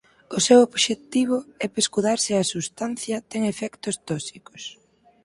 O seu obxectivo é pescudar se a substancia ten efectos tóxicos.